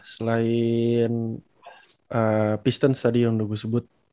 selain pistons tadi yang udah gue sebut